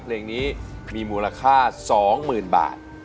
เพลงนี้มีมูลค่าสองหมื่นบาท